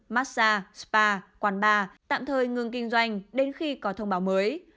massage spa quán bar tạm thời ngừng kinh doanh đến khi có thông báo mới